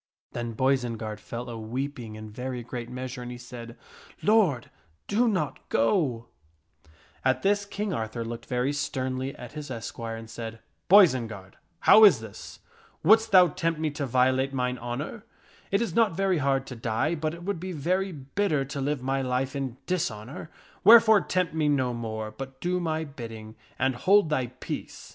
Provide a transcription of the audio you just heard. Then Boisenard fell a weeping in very great measure, and he said, " Lord, do not go." KING ARTHUR RETURNS TO THE KNIGHT ENCHANTER 301 At this King Arthur looked very sternly at his esquire, and said, " Bois enard, how is this ? Wouldst thou tempt me to violate mine honor? It is not very hard to die, but it would be very bitter to live my life in dishonor ; wherefore tempt me no more, but do my bidding and hold thy peace!